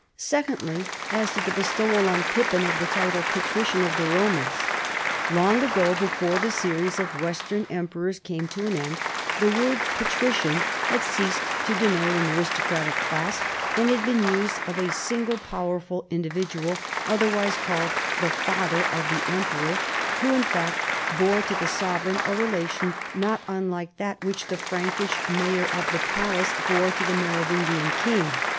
Secondly : as to the bestowal on Pippin of the title " Patrician of the Eomans." Long ago, before the series of Western emperors came to an end, the word patrician had ceased to denote an aristocratic class, and had been used of a single powerful individual, otherwise called " the Father of the Emperor," who in fact bore to the sovereign a relation not unlike that which the Prankish mayor of the palace bore to the Merovingian king.